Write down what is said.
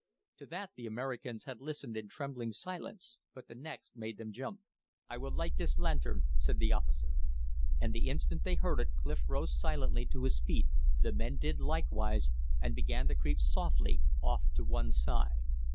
To that the Americans had listened in trembling silence; but the next made them jump. "I will light this lantern," said the officer. And the instant they heard it Clif rose silently to his feet; the men did likewise, and began to creep softly off to one side.